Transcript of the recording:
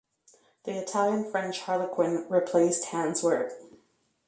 The Italian-French Harlequin replaced Hanswurst.